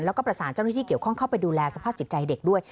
แล้วก็ประสานเจ้าหน้าที่เกี่ยวข้องเข้าไปดูแลสภาพจิตใจเด็กด้วย